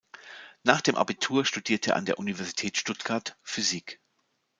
Nach dem Abitur studierte er an der Universität Stuttgart Physik.